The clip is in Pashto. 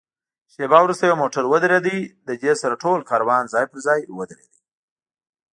شېبه وروسته یو موټر ودرېد، له دې سره ټول کاروان ځای پر ځای ودرېد.